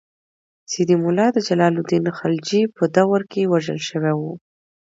سیدي مولا د جلال الدین خلجي په دور کې وژل شوی و.